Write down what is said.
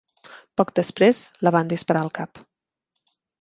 Poc després, la van disparar al cap.